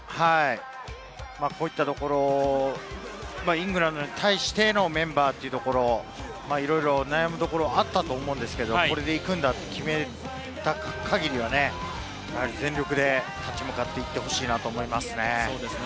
イングランドに対してのメンバーというところ、悩むところはあったと思うんですけれど、これで行くんだと決めた限りでは、全力で立ち向かっていってほしいと思います。